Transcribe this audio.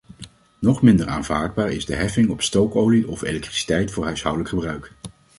Nog minder aanvaardbaar is de heffing op stookolie of elektriciteit voor huishoudelijk gebruik.